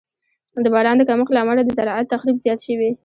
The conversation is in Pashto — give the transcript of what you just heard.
د باران د کمښت له امله د زراعت تخریب زیات شوی.